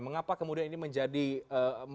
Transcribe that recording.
mengapa kemudian ini menjadi ee